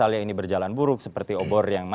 kalau misalnya ini berjalan buruk seperti obor yang mati